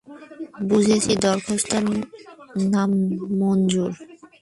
বুঝেছি, দরখাস্ত নামঞ্জুর।